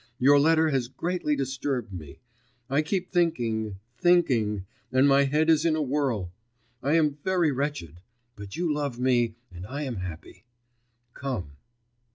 Your letter has greatly disturbed me. I keep thinking, thinking ... and my head is in a whirl. I am very wretched, but you love me, and I am happy. Come.